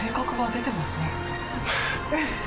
出てます？